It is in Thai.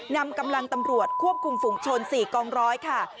นำกำลังตำรวจควบคุมฝุงชน๔กองร้อยค่ะ